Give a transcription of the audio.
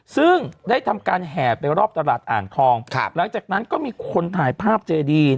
ซึ่งได้ทำการแห่ไปรอบตลาดอ่างทองหลังจากนั้นก็มีคนถ่ายภาพเจดี